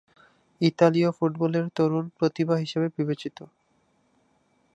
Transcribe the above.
ইতালীয় ফুটবলের তরুণ প্রতিভা হিসেবে বিবেচিত।